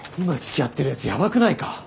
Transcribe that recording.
今つきあってる奴ヤバくないか？